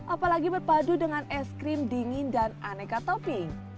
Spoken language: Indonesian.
apalagi berpadu dengan es krim dingin dan aneka topping